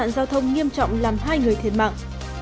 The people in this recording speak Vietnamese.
tai nạn giao thông nghiêm trọng làm hai người thiệt mạng